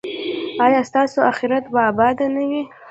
ایا ستاسو اخرت به اباد نه وي؟